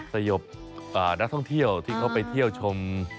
สยบนักท่องเที่ยวที่เขาไปเที่ยวชม